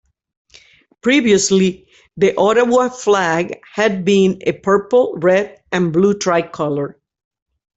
Previously the Ottawa flag had been a purple, red and blue tricolour.